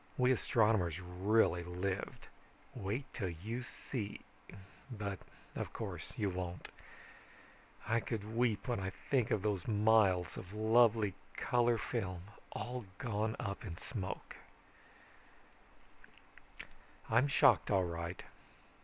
We astronomers really lived. Wait till you see but of course you won't. I could weep when I think of those miles of lovely color film, all gone up in smoke. "I'm shocked all right.